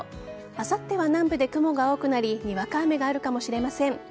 あさっては南部で雲が多くなりにわか雨があるかもしれません。